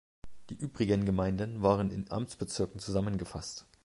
Die übrigen Gemeinden waren in Amtsbezirken zusammengefasst.